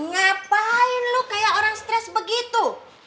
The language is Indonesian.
ngapain lu kayak orang stres begitu